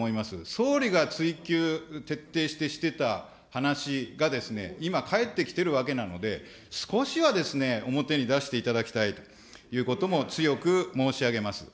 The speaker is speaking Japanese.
総理が追及、徹底していた話が、今、返ってきてるわけなので、少しは表に出していただきたいということも強く申し上げます。